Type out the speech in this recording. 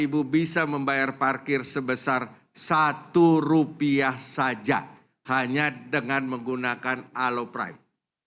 ibu bisa membayar parkir sebesar satu rupiah saja hanya dengan menggunakan aloprime